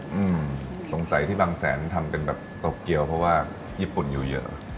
อืมสงสัยที่บางแสนทำเป็นแบบโตเกียวเพราะว่าญี่ปุ่นอยู่เยอะ